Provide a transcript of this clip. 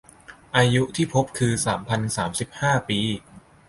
อายุที่พบคือ สามพันสามสิบห้า ปี